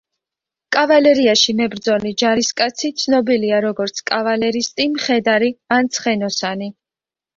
კავალერიაში მებრძოლი ჯარისკაცი ცნობილია როგორც კავალერისტი, მხედარი ან ცხენოსანი.